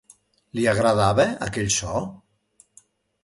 Li agradava aquell so?